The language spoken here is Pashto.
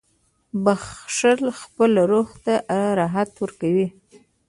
• بخښل خپل روح ته راحت ورکوي.